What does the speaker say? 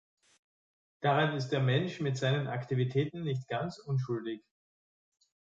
Daran ist der Mensch mit seinen Aktivitäten nicht ganz unschuldig.